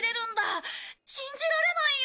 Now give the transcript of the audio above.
信じられないよ！